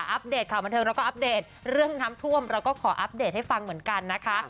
อัปเดตข่าวบันเทิงเราก็อัปเดตเรื่องน้ำท่วมเราก็ขออัปเดตให้ฟังเหมือนกันนะคะ